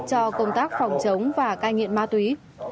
cho công tác phòng chống và cai nghiện ma túy